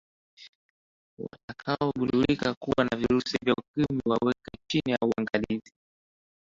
watakao gundulika kuwa na virusi vya ukimwi waweke chini ya uangalizi